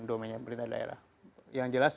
domainnya pemerintah daerah yang jelas